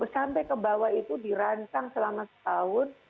sampai ke bawah itu dirancang selama setahun